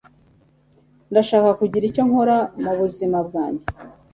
Ndashaka kugira icyo nkora mubuzima bwanjye.